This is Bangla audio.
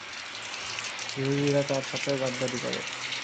ইহুদীরা তার সাথেও গাদ্দারী করে।